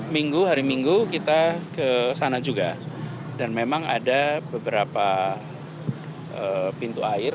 minggu hari minggu kita ke sana juga dan memang ada beberapa pintu air